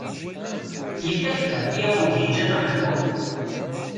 Yella kra i awen-d-yeǧǧa baba-twen?